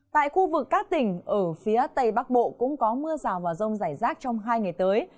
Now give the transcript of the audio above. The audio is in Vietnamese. tại khu vực các tỉnh ở phía tây bắc bộ cũng có mưa rào và rông rải rác trong hai ngày tới